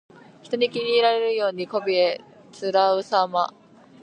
人に気に入られるようにこびへつらうさま。